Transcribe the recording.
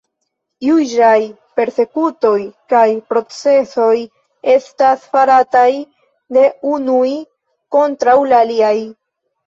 Juĝaj persekutoj kaj procesoj estas farataj de unuj kontraŭ la aliaj.